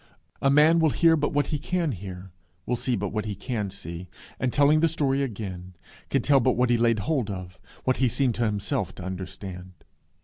A man will hear but what he can hear, will see but what he can see, and, telling the story again, can tell but what he laid hold of, what he seemed to himself to understand.